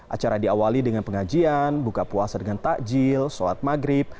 acara diawali dengan pengajian buka puasa dengan takjil sholat maghrib